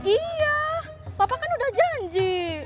iya bapak kan udah janji